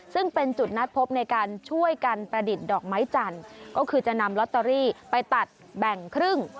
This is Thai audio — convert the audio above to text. ซึ่งเป็นจุดนัดพบในการช่วยกันประดิษฐ์ดอกไม้จันทร์ก็คือจะนำลอตเตอรี่ไปตัดแบ่งครึ่ง